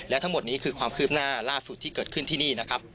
และทั้งหมดนี้คือความคืบหน้าล่าสุดที่เกิดขึ้นที่นี่นะครับ